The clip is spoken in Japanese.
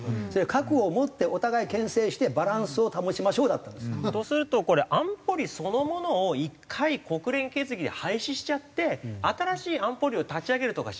核を持ってお互い牽制してバランスを保ちましょうだったんです。とするとこれ安保理そのものを１回国連決議で廃止しちゃって新しい安保理を立ち上げるとかしないと。